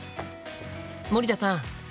森田さん